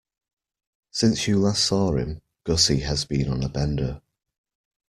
Since you last saw him, Gussie has been on a bender.